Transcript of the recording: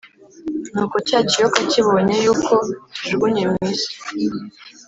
Nuko cya kiyoka kibonye yuko kijugunywe mu isi,